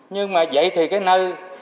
nhưng mà vậy thì cái nơi